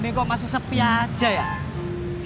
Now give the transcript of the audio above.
itu mah cerita lu deb